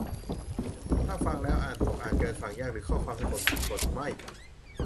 - ถ้าฟังแล้ว อ่านตก อ่านเกิน ฟังยาก หรือข้อความสะกดผิด กด "ไม่"